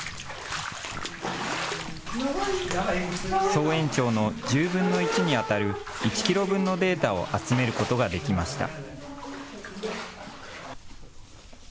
総延長の１０分の１にあたる１キロ分のデータを集めることができました。